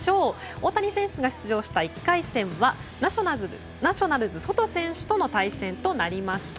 大谷選手が出場した１回戦は、ナショナルズソト選手との対戦となりました。